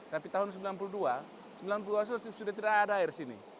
tapi tahun sembilan puluh dua sembilan puluh dua sudah tidak ada air di sini